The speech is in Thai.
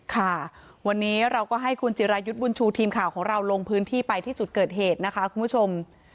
ค่ะวันนี้เราก็ให้คุณจิรายุทธ์บุญชูทีมข่าวของเราลงพื้นที่ไปที่จุดเกิดเหตุนะคะคุณผู้ชม